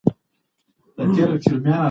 تاسو مڼې وخوړلې.